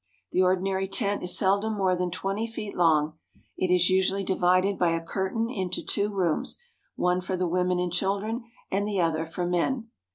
The ordinary tent is seldom more than twenty feet. long. It is usually divided by a curtain into two rooms, one for the women and children, and the other for men.